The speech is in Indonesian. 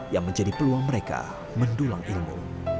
yang menjadi peluang mereka mendulang ilmu